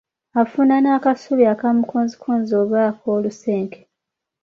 Afuna n'akasubi aka mukonzikonzi oba ak'olusenke.